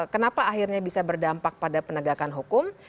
kenapa akhirnya bisa berdampak pada penegakan hukum